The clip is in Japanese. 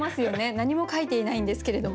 何も書いていないんですけれども。